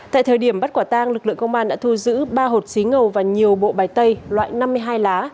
tại thời điểm bắt quả tang lực lượng công an đã thu giữ ba hột xí ngầu và nhiều bộ bài tay loại năm mươi hai lá